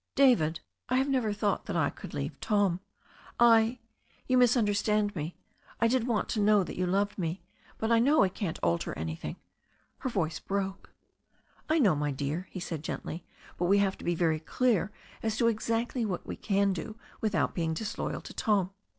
"David, I have never thought that I could leave Tom. I — ^you misunderstand me — ^I did want to know that you loved me, but I know it can't alter anything " Her voice broke. "I know, my dear," he said gently, "but we have to be very clear as to exactly what we can do without being disloyal to Tom.